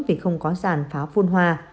vì không có giàn pháo phun hoa